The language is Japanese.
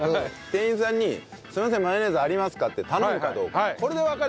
店員さんに「すいませんマヨネーズありますか？」って頼むかどうか。